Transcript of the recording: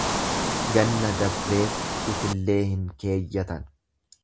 Ganna dabreef itillee hin keeyyatan.